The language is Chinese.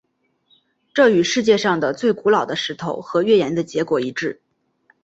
这与地球上的最古老的石头和月岩的结果一致。